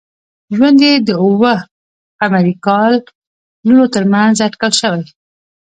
ژوند یې د او ه ق کلونو تر منځ اټکل شوی.